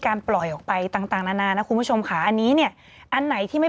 ปล่อยออกไปต่างต่างนานานะคุณผู้ชมค่ะอันนี้เนี่ยอันไหนที่ไม่